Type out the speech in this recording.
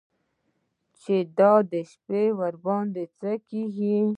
چې دا د شپې درباندې څه کېږي.